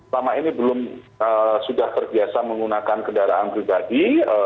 lama ini belum sudah terbiasa menggunakan kendaraan pribadi